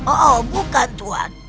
oh bukan tuhan